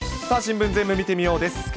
さあ、新聞ぜーんぶ見てみよう！です。